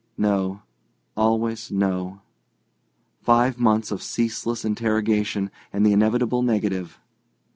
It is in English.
No. Always no. Five months of ceaseless interrogation and the inevitable negative.